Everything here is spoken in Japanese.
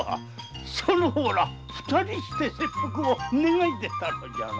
その方ら二人して切腹を願い出たのだな。